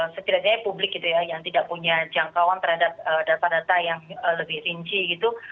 setidaknya publik gitu ya yang tidak punya jangkauan terhadap data data yang lebih rinci gitu